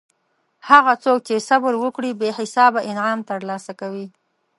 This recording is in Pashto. هغه څوک چې صبر وکړي بې حسابه انعام ترلاسه کوي.